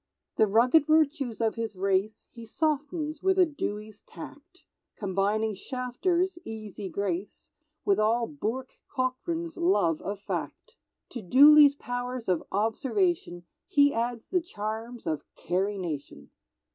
The rugged virtues of his race He softens with a Dewey's tact, Combining Shafter's easy grace With all Bourke Cockran's love of fact; To Dooley's pow'rs of observation He adds the charms of Carrie Nation.